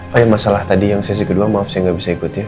oh yang masalah tadi yang sesi kedua maaf saya gak bisa ikut ya